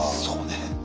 そうね。